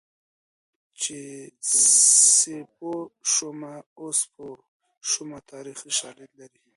چې سیپو شومه اوس په پوه شومه تاریخي شالید لري